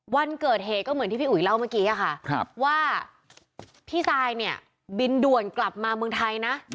วันเกิดเหตุก็เหมือนที่พี่อุ๋ยเล่าเมื่อกี้ค่ะว่าพี่ซายเนี่ยบินด่วนกลับมาเมืองไทยนะ